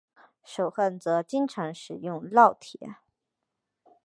手焊则经常使用烙铁。